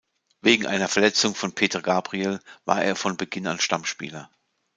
Wegen einer Verletzung von Petr Gabriel war er von Beginn an Stammspieler.